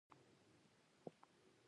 موږ به د غرمې په وخت ژاړو